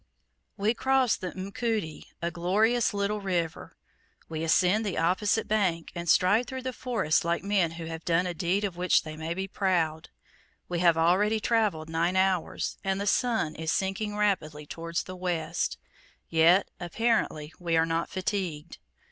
We cross the Mkuti, a glorious little river! We ascend the opposite bank, and stride through the forest like men who have done a deed of which they may be proud. We have already travelled nine hours, and the sun is sinking rapidly towards the west; yet, apparently, we are not fatigued.